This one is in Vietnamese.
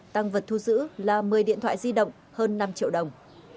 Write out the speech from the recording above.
tăng vật thu giữ là một mươi điện thoại di động hơn năm triệu đồng